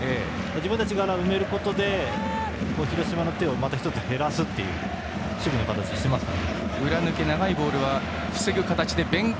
自分たちで埋めることで広島の手を１つ減らすという守備の形をしていますね。